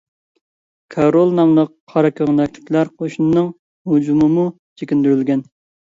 كارول ناملىق قارا كۆڭلەكلىكلەر قوشۇنىنىڭ ھۇجۇمىمۇ چېكىندۈرۈلگەن.